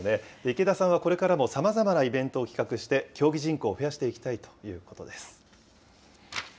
池田さんはこれからもさまざまなイベントを企画して、競技人口を増やしていきたいということです。